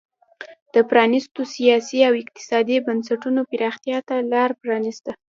د پرانیستو سیاسي او اقتصادي بنسټونو پراختیا ته لار پرانېسته.